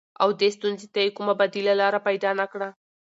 او دې ستونزې ته يې کومه بديله لاره پيدا نه کړه.